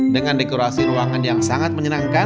dengan dekorasi ruangan yang sangat menyenangkan